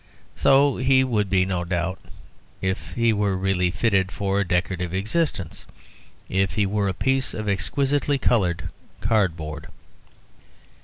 So he would be, no doubt, if he were really fitted for a decorative existence; if he were a piece of exquisitely coloured card board.